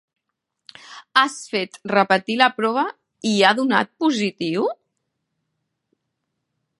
Has fet repetir la prova i ha donat positiu?